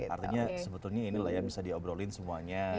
artinya sebetulnya ini lah ya bisa diobrolin semuanya